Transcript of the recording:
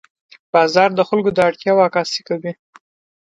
بازار د خلکو د اړتیاوو عکاسي کوي.